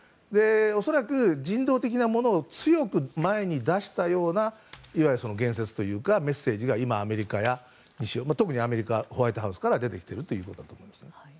恐らく、人道的なものを強く前に出したようないわゆる言説というかメッセージが今、特にアメリカホワイトハウスから出てきてるということだと思います。